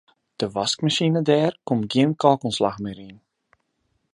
De waskmasine dêr komt gjin kalkoanslach mear yn.